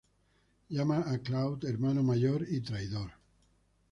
Llama a Cloud "hermano mayor" y "traidor".